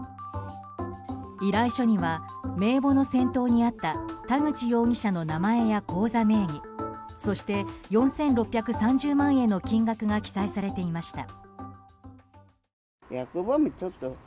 依頼書には、名簿の先頭にあった田口容疑者の名前や口座名義そして４６３０万円の金額が記載されていました。